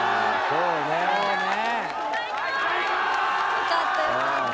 よかったよかった。